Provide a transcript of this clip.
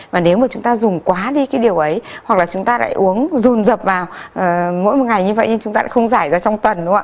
và nếu mà chúng ta dùng quá đi cái điều ấy hoặc là chúng ta lại uống dồn dập vào mỗi một ngày như vậy nhưng chúng ta lại không giải ra trong tuần không ạ